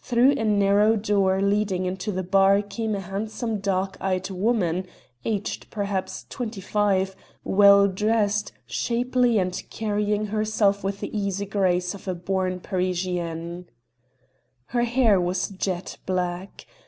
Through a narrow door leading into the bar came a handsome dark eyed woman, aged perhaps twenty five, well dressed, shapely, and carrying herself with the easy grace of a born Parisienne. Her hair was jet black.